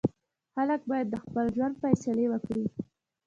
خلک باید د خپل ژوند فیصلې وکړي.